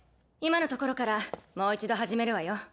今のところからもう一度始めるわよ。